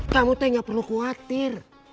kamu teh gak perlu khawatir